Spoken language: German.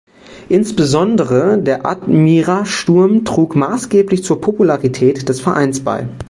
Insbesondere der Admira-Sturm trug maßgeblich zur Popularität des Vereines bei.